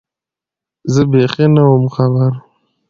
زه بېخي نه وم خبر